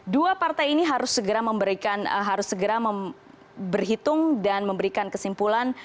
dua partai ini harus segera berhitung dan memberikan kesimpulan